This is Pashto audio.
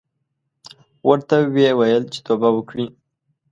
ورته ویې ویل چې توبه وکړې.